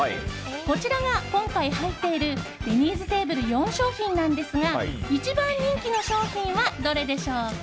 こちらが今回入っているＤｅｎｎｙ’ｓＴａｂｌｅ４商品なんですが１番人気の商品はどれでしょうか？